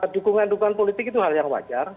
dukungan dukungan politik itu hal yang wajar